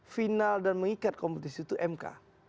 final dan mengikat kompetisi itu mk